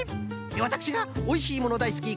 わたくしがおいしいものだいすき